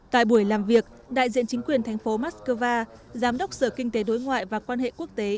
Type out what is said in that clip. tại buổi làm việc đại diện chính quyền thành phố moscow giám đốc sở kinh tế đối ngoại và quan hệ quốc tế